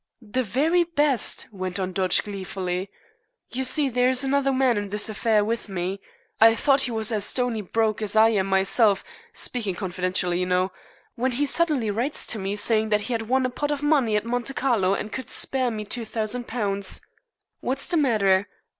"The very best!" went on Dodge gleefully. "You see, there is another man in this affair with me. I thought he was as stony broke as I am myself speaking confidentially, you know when he suddenly writes to me saying that he had won a pot of money at Monte Carlo and could spare me £2,000. What's the matter?